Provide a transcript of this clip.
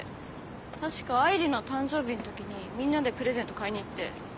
確か愛梨の誕生日のときにみんなでプレゼント買いに行って。